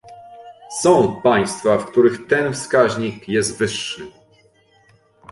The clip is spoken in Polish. Są państwa, w których ten wskaźnik jest wyższy